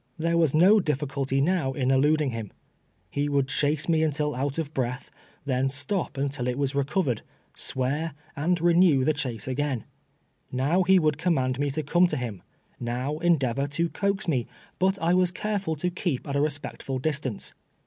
There Mas no difiiculty now in eluding him. lie would chase me nntil out of breath, then stop until it was recov ered, swear, and renew the chase again. Xow he Avoidd command me to come to him, now endeavor to coax me, but I was careful to keep at a respectful distance.